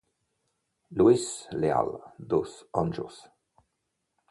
Luís Leal dos Anjos